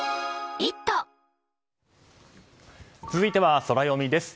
続いてはソラよみです。